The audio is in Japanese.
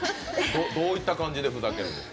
どういった感じでふざけるの？